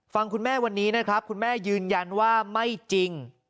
ฟังคุณแม่วันนี้นะครับคุณแม่ยืนยันว่าไม่จริง